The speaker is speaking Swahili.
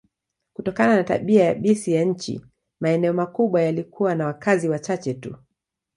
Kutokana na tabia yabisi ya nchi, maeneo makubwa yalikuwa na wakazi wachache tu.